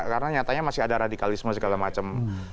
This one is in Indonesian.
karena nyatanya masih ada radikalisme segala macam